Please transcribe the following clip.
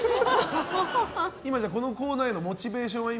今、じゃあこのコーナーへのモチベーションは？